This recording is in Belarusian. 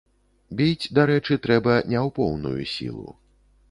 Біць, дарэчы, трэба не ў поўную сілу.